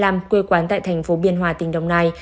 bán tại thành phố biên hòa tỉnh đồng nai